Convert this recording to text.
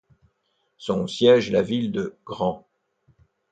Son siège est la ville de Grant.